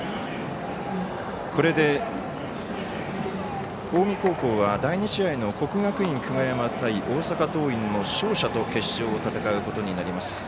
これで、近江高校は第２試合の国学院久我山対大阪桐蔭の勝者と決勝を戦うことになります。